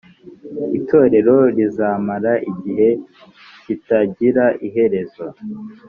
itorero rizamara igihe kitagira iherezo